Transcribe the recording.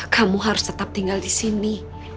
kamu harus tetap tinggal disini